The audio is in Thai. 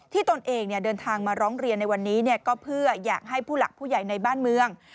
ตนเองเดินทางมาร้องเรียนในวันนี้ก็เพื่ออยากให้ผู้หลักผู้ใหญ่ในบ้านเมือง